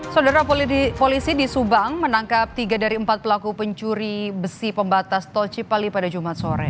saudara polisi di subang menangkap tiga dari empat pelaku pencuri besi pembatas tol cipali pada jumat sore